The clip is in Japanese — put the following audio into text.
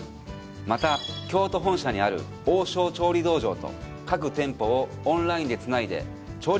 また京都本社にある「王将調理道場」と各店舗をオンラインでつないで調理講習を行っています。